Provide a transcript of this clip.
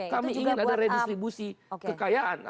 kami ingin ada redistribusi kekayaan